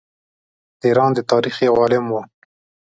د ایران د تاریخ یو عالم وو.